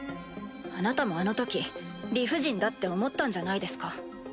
あなたもあのとき理不尽だって思ったんじゃないですか？